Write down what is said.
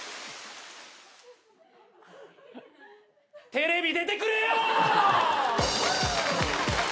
テレビ出てくれよ！